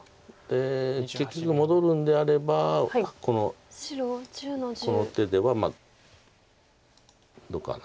で結局戻るんであればこの手ではどっか何か。